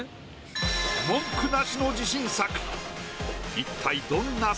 文句なしの自信作。